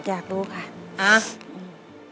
อยากรู้ค่ะ